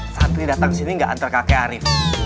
satria datang sini ga antar kakek ari